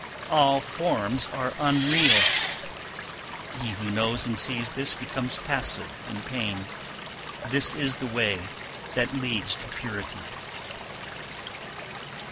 279. `All forms are unreal,' he who knows and sees this becomes passive in pain; this is the way that leads to purity.